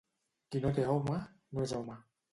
Qui no té home, no és home.